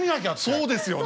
そうですよ。